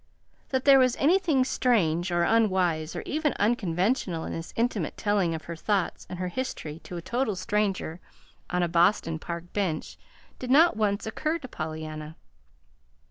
That there was anything strange or unwise or even unconventional in this intimate telling of her thoughts and her history to a total stranger on a Boston park bench did not once occur to Pollyanna.